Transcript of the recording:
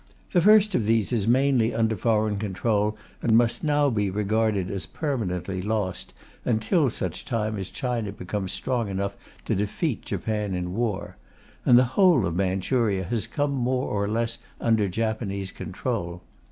The first of these is mainly under foreign control and must now be regarded as permanently lost, until such time as China becomes strong enough to defeat Japan in war; and the whole of Manchuria has come more or less under Japanese control.